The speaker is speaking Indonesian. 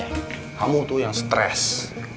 kamu tuh yang stres